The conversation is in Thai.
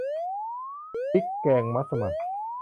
พริกแกงมัสมั่น